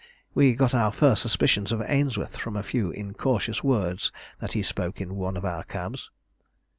We got our first suspicions of Ainsworth from a few incautious words that he spoke in one of our cabs."